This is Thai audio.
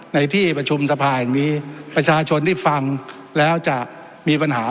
ในที่ประชุมสภาแห่งนี้ประชาชนที่ฟังแล้วจะมีปัญหา